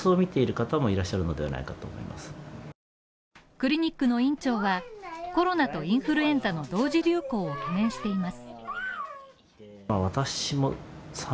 クリニックの院長は、コロナとインフルエンザの同時流行を懸念しています。